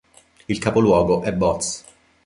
Il capoluogo è Boz.